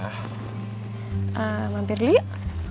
eeeh mampir dulu yuk